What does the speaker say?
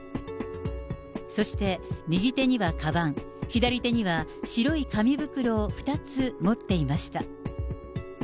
そして、右手にはかばん、左手には白い紙袋を２つ持っていました。